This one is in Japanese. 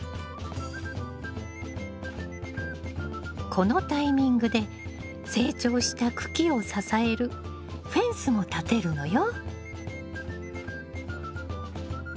このタイミングで成長した茎を支えるフェンスも立てるのよ。